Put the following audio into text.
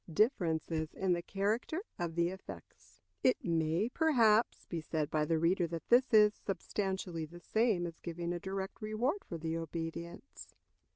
Difference in the Character of the Effects. It may, perhaps, be said by the reader that this is substantially the same as giving a direct reward for the obedience.